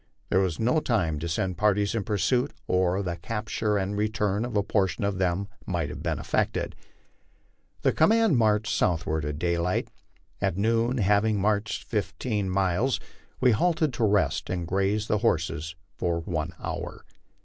There was no time to send parties in pursuit, or the capture and return of a portion of them might have been effected. The command marched southward at daylight. At noon, having marched fifteen miles, we halted to rest and graze the horses for one hour.